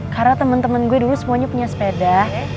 karena temen temen gue dulu semuanya punya sepeda